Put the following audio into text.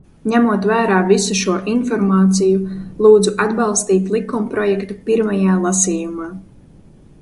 Ņemot vērā visu šo informāciju, lūdzu atbalstīt likumprojektu pirmajā lasījumā.